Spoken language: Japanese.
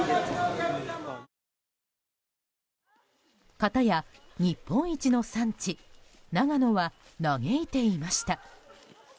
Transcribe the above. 方や、日本一の産地長野は嘆いていました。